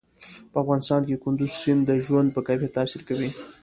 په افغانستان کې کندز سیند د ژوند په کیفیت تاثیر کوي.